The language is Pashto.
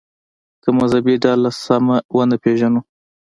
که مذهبي ډله سمه ونه پېژنو.